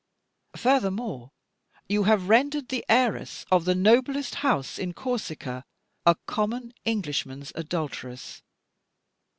Furthermore, you have rendered the heiress of the noblest house in Corsica a common Englishman's adulteress.